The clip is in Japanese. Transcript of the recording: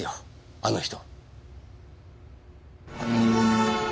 あの人。